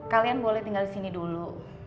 kalian boleh tinggal di sini dulu